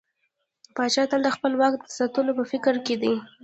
پاچا تل د خپل واک د ساتلو په فکر کې دى.